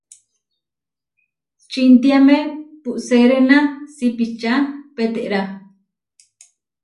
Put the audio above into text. Čintiame puʼseréna sipiča peterá.